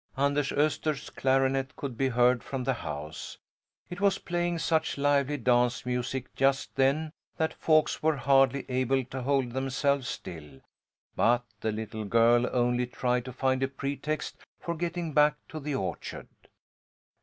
Anders Öster's clarinet could be heard from the house. It was playing such lively dance music just then that folks were hardly able to hold themselves still, but the little girl only tried to find a pretext for getting back to the orchard.